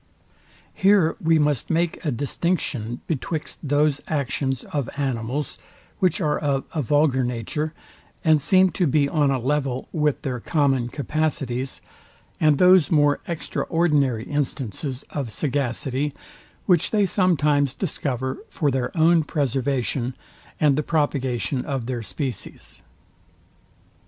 Here we must make a distinction betwixt those actions of animals, which are of a vulgar nature, and seem to be on a level with their common capacities, and those more extraordinary instances of sagacity, which they sometimes discover for their own preservation, and the propagation of their species.